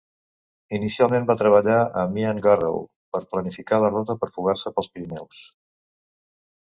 Inicialment va treballar amb Ian Garrow per planificar la ruta per fugar-se pels Pirineus.